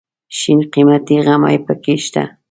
شین قیمتي غمی پکې شته.